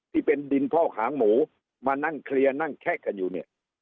ที่เป็นดินพอกหางหมูมานั่งเคลียร์นั่งแชะกันอยู่เนี่ย